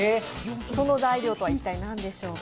その材料とは一体何でしょうか。